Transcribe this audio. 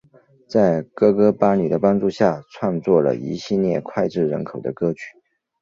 在哥哥巴里的帮助下创作了一系列脍炙人口的歌曲。